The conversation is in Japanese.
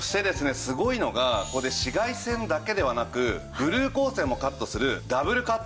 すごいのが紫外線だけではなくブルー光線もカットするダブルカット